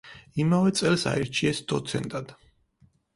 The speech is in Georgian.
იმავე წელს აირჩიეს დოცენტად.